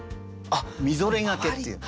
みぞれがけっていう。